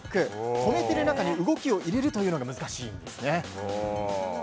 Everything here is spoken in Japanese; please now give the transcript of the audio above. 止めてる中に動きを入れるというのが難しいんですね。